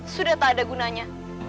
sudah tak ada gunanya